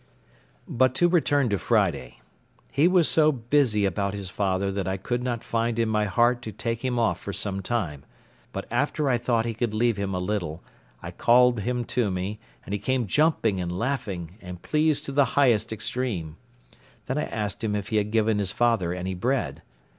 But to return to Friday; he was so busy about his father that I could not find in my heart to take him off for some time; but after I thought he could leave him a little, I called him to me, and he came jumping and laughing, and pleased to the highest extreme: then I asked him if he had given his father any bread.